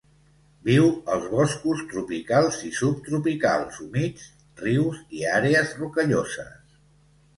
Viu als boscos tropicals i subtropicals humits, rius i àrees rocalloses.